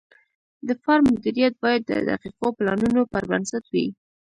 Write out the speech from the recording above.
د فارم مدیریت باید د دقیقو پلانونو پر بنسټ وي.